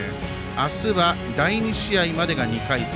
あすは第２試合までが２回戦。